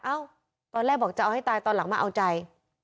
ตอนแรกบอกจะเอาให้ตายตอนหลังมาเอาใจ